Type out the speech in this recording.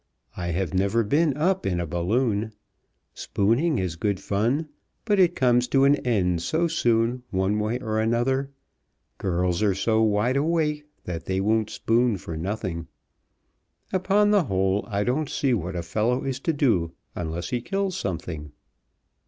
I have never been up in a balloon. Spooning is good fun, but it comes to an end so soon one way or another. Girls are so wide awake that they won't spoon for nothing. Upon the whole I don't see what a fellow is to do unless he kills something."